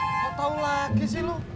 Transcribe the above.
kau tau lagi sih lu